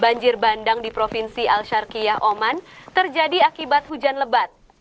banjir bandang di provinsi al sharkiyah oman terjadi akibat hujan lebat